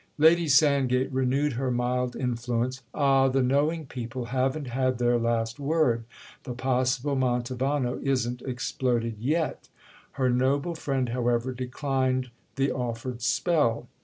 Lady Sandgate renewed her mild influence. "Ah, the knowing people haven't had their last word—the possible Mantovano isn't exploded yet!" Her noble friend, however, declined the offered spell.